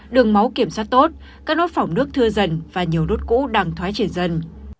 đường máu kiểm soát tốt các nốt phỏng nước thưa dần và nhiều nốt cũ đang thoái triển dần